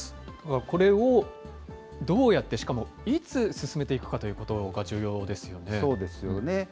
これをどうやって、しかもいつ進めていくかということが重要そうですよね。